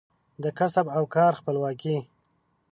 د کسب او کار خپلواکي